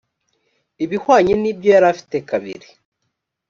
ibihwanye n ibyo yari afite kabiri